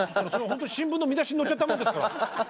本当に新聞の見出しに載っちゃったものですから。